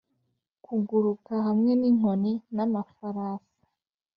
kuguruka hamwe n'inkoni, n'amafarasi